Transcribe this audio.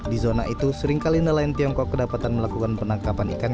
di zona itu seringkali nelayan tiongkok kedapatan melakukan penangkapan ikan